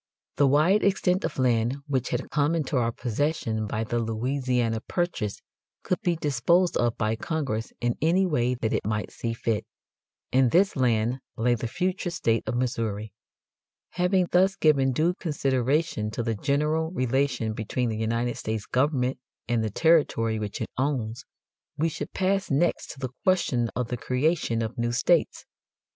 The wide extent of land which had come into our possession by the Louisiana Purchase could be disposed of by Congress in any way that it might see fit. In this land lay the future state of Missouri. Having thus given due consideration to the general relation between the United States government and the territory which it owns, we should pass next to the question of the creation of new states.